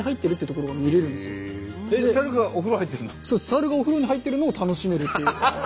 サルがお風呂に入ってるのを楽しめるっていう。